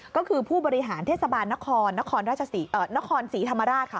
ก็คือผู้บริหารเทศบาลนครนครนครศรีธรรมราชค่ะ